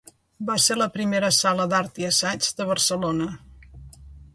Va ser la primera sala d’art i assaig de Barcelona.